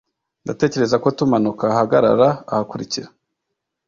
ndatekereza ko tumanuka ahagarara ahakurikira